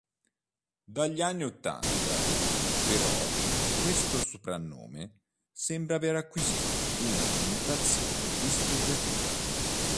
Dagli anni ottanta, però, questo soprannome sembra aver acquisito una connotazione dispregiativa.